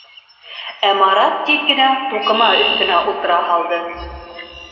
Ә Марат тиҙ генә туҡыма өҫтөнә ултыра һалды.